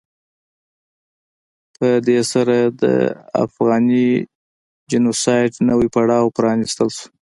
په دې سره د افغاني جینو سایډ نوی پړاو پرانستل شو.